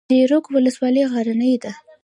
زیروک ولسوالۍ غرنۍ ده؟